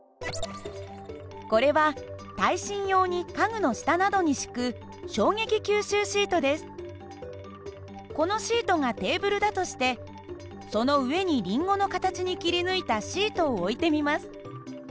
これは耐震用に家具の下などに敷くこのシートがテーブルだとしてその上にりんごの形に切り抜いたシートを置いてみます。